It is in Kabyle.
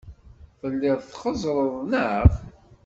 Telliḍ txeẓẓreḍ, neɣ?